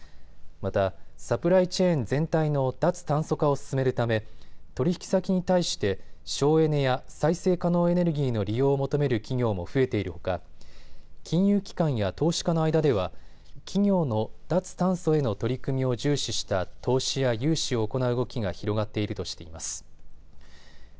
また、サプライチェーン全体の脱炭素化を進めるため取引先に対して省エネや再生可能エネルギーの利用を求める企業も増えているほか金融機関や投資家の間では企業の脱炭素への取り組みを重視した投資や融資を行う動きが広がっているとしています。